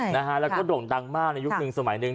แล้วก็โด่งดังมากในยุคนึงสมัยหนึ่ง